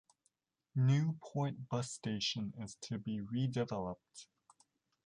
Newport bus station is to be redeveloped.